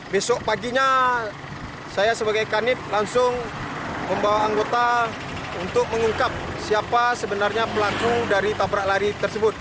besok paginya saya sebagai kanit langsung membawa anggota untuk mengungkap siapa sebenarnya pelaku dari tabrak lari tersebut